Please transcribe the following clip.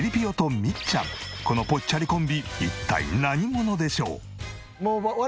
このぽっちゃりコンビ一体何者でしょう？